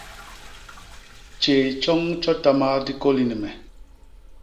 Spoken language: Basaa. Tjéé tjoñ tjotama di kôli ni me.